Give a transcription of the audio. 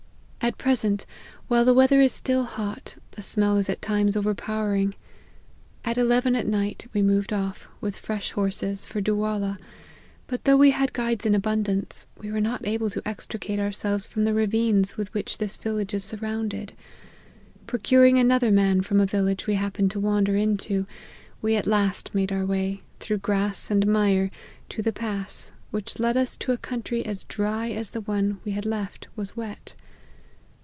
At present, while the weather is still hot, the smell is at times overpowering. At eleven at night we moved off, with fresh horses, for Duwala; but though we had guides in abundance, we were not able to extri cate ourselves from the ravines with which this village is surrounded. Procuring another man from a village we happened to wander into, we at last made our way, through grass and mire, to the pass, which led us to a country as dry as the one we had left was wet.